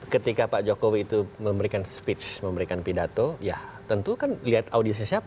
ketika pak jokowi itu memberikan speech memberikan pidato ya tentu kan lihat audisi siapa